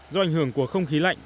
do ảnh hưởng của không khí lạnh